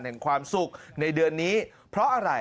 แห่งความสุขในเดือนนี้เพราะอะไร